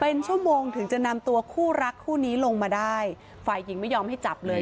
เป็นชั่วโมงถึงจะนำตัวคู่รักคู่นี้ลงมาได้ฝ่ายหญิงไม่ยอมให้จับเลย